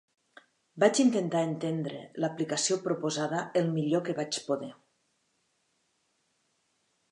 Vaig intentar entendre l'aplicació proposada el millor que vaig poder.